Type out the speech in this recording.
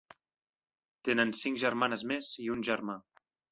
Tenen cinc germanes més i un germà.